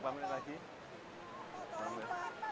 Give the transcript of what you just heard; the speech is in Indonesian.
berikan saja berikan